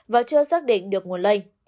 và chưa xác định được nguồn lây